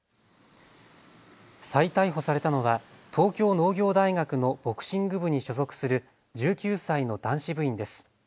再逮捕されたのは東京農業大学のボクシング部に所属する１９歳の男子部員です。